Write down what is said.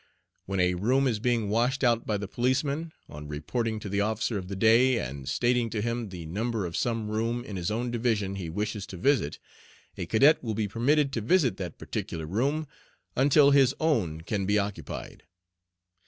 When a room is being washed out by the policeman, on reporting to the Officer of the Day, and stating to him the number of some room in his own Division he wishes to visit, a Cadet will be permitted to visit that particular room until his own can be occupied.